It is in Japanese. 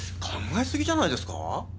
考えすぎじゃないですか？